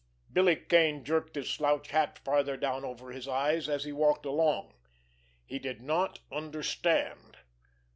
Billy Kane jerked his slouch hat farther down over his eyes as he walked along. He did not understand.